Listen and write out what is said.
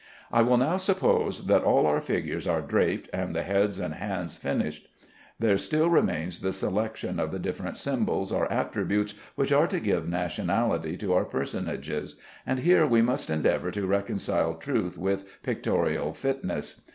I will now suppose that all our figures are draped, and the heads and hands finished. There still remains the selection of the different symbols or attributes which are to give nationality to our personages, and here we must endeavor to reconcile truth with pictorial fitness.